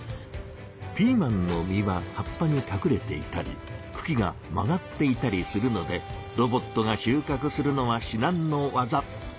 ピーマンの実は葉っぱにかくれていたりくきが曲がっていたりするのでロボットが収穫するのはしなんのわざ。